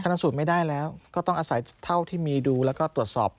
นักสูตรไม่ได้แล้วก็ต้องอาศัยเท่าที่มีดูแล้วก็ตรวจสอบ